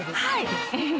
はい！